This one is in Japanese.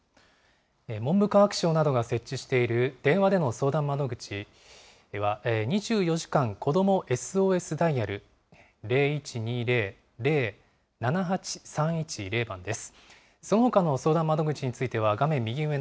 文部科学省などが設置している電話での相談窓口は、２４時間子供ＳＯＳダイヤル、０１２０ー０ー７８３１０番です。